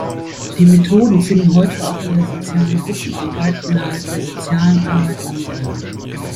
Die Methoden finden heute auch in der sozialen Gruppenarbeit innerhalb der sozialen Arbeit Anwendung.